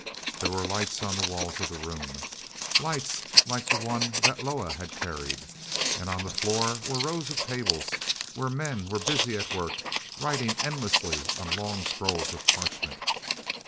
There were lights on the walls of the room, lights like the one that Loah had carried. And on the floor were rows of tables where men were busy at work, writing endlessly on long scrolls of parchment.